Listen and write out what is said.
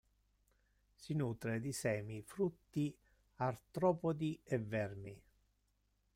Si nutre di semi, frutti, artropodi e vermi.